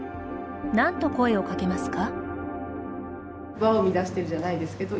なんと声をかけますか。